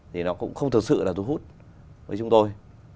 thì nó cũng không thực sự là thu hút với chúng tôi